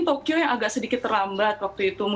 tokyo yang agak sedikit terlambat